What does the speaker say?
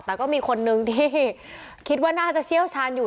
แต่ก็มีคนนึงที่คิดว่าน่าจะเชี่ยวชาญอยู่